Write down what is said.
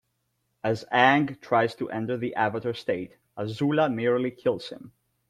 As Aang tries to enter the Avatar state, Azula nearly kills him.